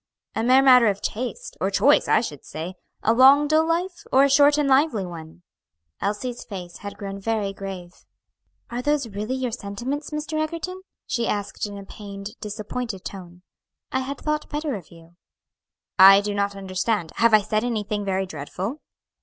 "A mere matter of taste, or choice, I should say a long dull life, or a short and lively one." Elsie's face had grown very grave. "Are those really your sentiments, Mr. Egerton?" she asked, in a pained, disappointed tone. "I had thought better of you." "I do not understand; have I said anything very dreadful?"